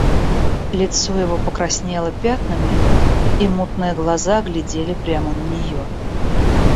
Лицо его покраснело пятнами, и мутные глаза глядели прямо на нее.